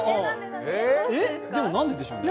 でも、なんででしょうね。